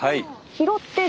拾ってる。